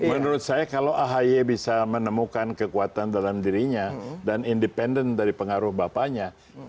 menurut saya kalau ahy bisa menemukan kekuatan dalam dirinya dan independen dari pengaruh bapaknya